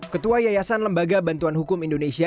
ketua yayasan lembaga bantuan hukum indonesia